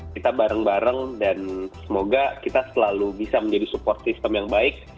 kita bareng bareng dan semoga kita selalu bisa menjadi support system yang baik